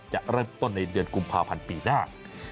จะเริ่มต้นในเดือนกุมภาพันธ์ปีหน้า